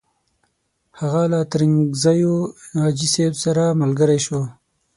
هغه له ترنګزیو حاجي صاحب سره ملګری شو.